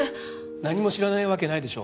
何も知らないわけないでしょう。